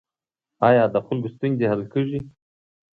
آیا د خلکو ستونزې حل کیږي؟